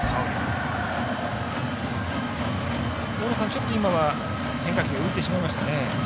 ちょっと今は変化球浮いてしまいましたね。